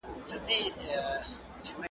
که عاجز اوسئ نو خلک به مو خوښوي.